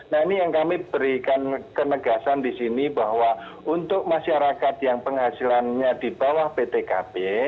nah ini yang kami berikan kenegasan di sini bahwa untuk masyarakat yang penghasilannya di bawah ptkp